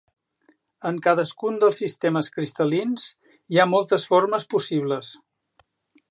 En cadascun dels sistemes cristal·lins hi ha moltes formes possibles.